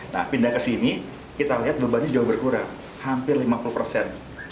nah pindah ke sini kita lihat bebannya juga berkurang hampir lima puluh persen